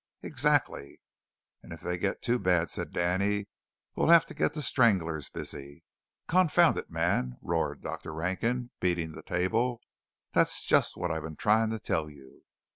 "Exactly." "And if they get too bad," said Danny, "we'll have to get the stranglers busy." "Confound it, man!" roared Dr. Rankin, beating the table, "that's just what I've been trying to tell you.